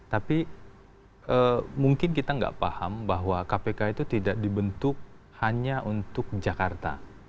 tapi mungkin kita nggak paham bahwa kpk itu tidak dibentuk hanya untuk jakarta